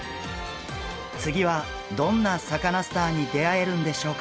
次はどんなサカナスターに出会えるんでしょうか。